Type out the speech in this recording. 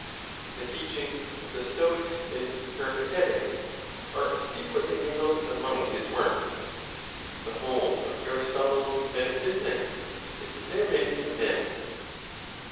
The teachings of the Stoics and Peripatetics are secretly mingled among his works; the whole of Aristotle's Metaphysics is therein condensed.